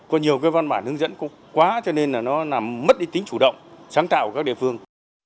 có nhiều cái văn bản hướng dẫn cũng quá cho nên là nó làm mất đi tính chủ động sáng tạo của các địa phương